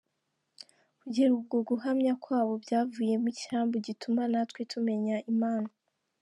, kugera ubwo guhamya kwabo byavuyemo icyambu gituma natwe tumenya Imana,.